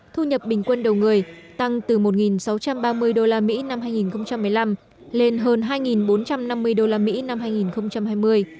thu nhập bình quân đầu người tăng từ một sáu trăm ba mươi usd năm hai nghìn một mươi năm lên hơn hai bốn trăm năm mươi usd năm hai nghìn hai mươi